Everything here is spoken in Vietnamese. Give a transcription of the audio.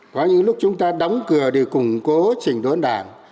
có những lúc chúng ta đóng cửa để củng cố trình đốn đảng